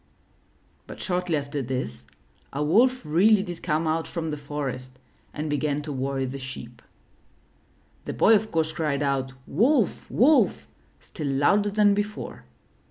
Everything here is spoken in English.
But shortly after this, a Wolf really did come out 372 IN THE NURSERY from the forest and began to worry the sheep. The Boy of course cried out, '*WoIf! Wolf!" still louder than before.